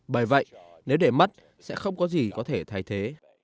bởi vậy nếu để mất sẽ không có gì có thể thay thế